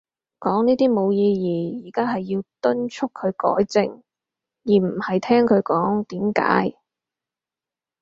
講呢啲冇意義。而家係要敦促佢改正，而唔係聽佢講點解